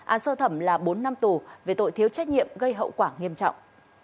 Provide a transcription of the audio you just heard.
án sơ thẩm là bốn năm tù về tội thiếu trách nhiệm gây hậu quả nghiêm trọng